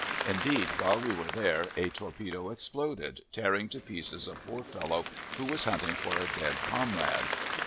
Indeed, while we were there, a torpedo exploded, tearing to pieces a poor fellow who was hunting for a dead comrade.